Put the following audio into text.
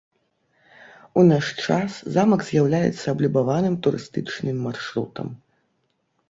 У наш час замак з'яўляецца аблюбаваным турыстычным маршрутам.